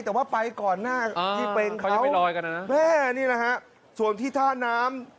แต่ว่าไปก่อนหน้าที่เป็นเขายังไม่ลอยกันนะแม่นี่นะฮะส่วนที่ท่าน้ำ